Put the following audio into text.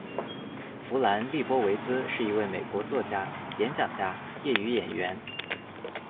弗兰·利波维兹是一位美国作家、演讲家、业余演员。